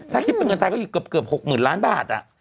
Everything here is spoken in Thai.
ถ้าคิดเป็นเงินไทยก็อยู่เกือบ๖๐๐๐ล้านบาท